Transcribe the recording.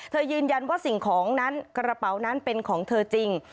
ยืนยันว่าสิ่งของนั้นกระเป๋านั้นเป็นของเธอจริง